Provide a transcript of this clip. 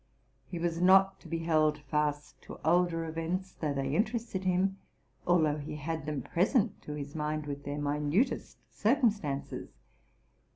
He was not to be held fast to older events, although they interested him, — although he had them present to his mind with their minutest circumstances.